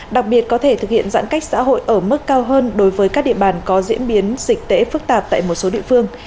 đặc biệt có thể thực hiện giãn cách xã hội ở mức cao hơn đối với các địa bàn có diễn biến dịch tễ phức tạp tại một số địa phương